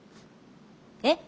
えっ？